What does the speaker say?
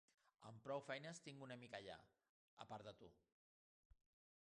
Amb prou feines tinc un amic allà a part de tu.